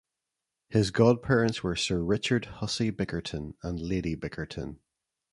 His godparents were Sir Richard Hussey Bickerton and Lady Bickerton.